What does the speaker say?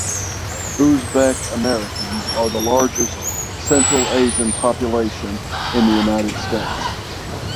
Uzbek Americans are the largest Central Asian population in the United States.